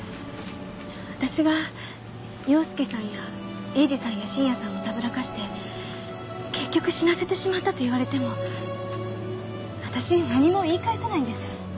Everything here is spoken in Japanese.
私が陽介さんや栄治さんや信也さんをたぶらかして結局死なせてしまったと言われても私何も言い返せないんです。